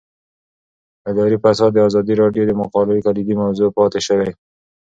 اداري فساد د ازادي راډیو د مقالو کلیدي موضوع پاتې شوی.